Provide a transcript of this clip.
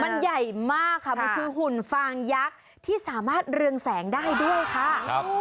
มันใหญ่มากค่ะมันคือหุ่นฟางยักษ์ที่สามารถเรืองแสงได้ด้วยค่ะ